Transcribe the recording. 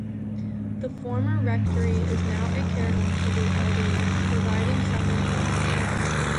The former rectory is now a care home for the elderly, providing some employment.